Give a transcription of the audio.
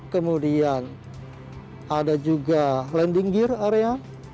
kemudian ada juga landing gear area